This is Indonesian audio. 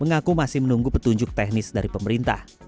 mengaku masih menunggu petunjuk teknis dari pemerintah